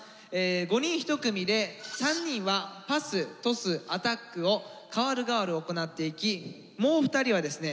５人１組で３人はパス・トス・アタックを代わる代わる行っていきもう２人はですね